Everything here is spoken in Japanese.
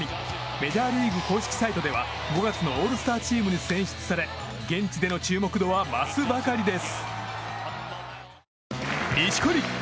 メジャーリーグ公式サイトでは５月のオールスターチームに選出され現地での注目度は増すばかりです。